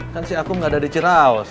kan si aku nggak ada di ciraos